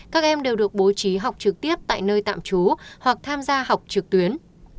các em đều được bố trí học trực tiếp tại nơi tạm trú hoặc tham gia học trực tuyến